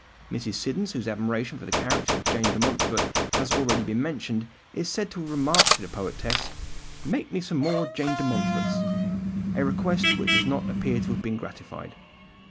Mrs. Siddons, whose admiration for the character of Jane de Montfort has been already mentioned, is said to have remarked to the poetess, "Make me some more Jane de Montforts"—a request which does not appear to have been gratified.